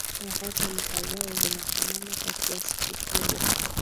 na hata lugha zao zinafanana kwa kiasi kikubwa